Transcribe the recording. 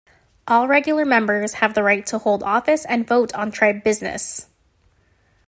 All regular members have the right to hold office and vote on Tribe business.